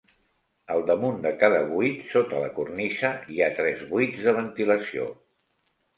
Al damunt de cada buit, sota la cornisa, hi ha tres vuits de ventilació.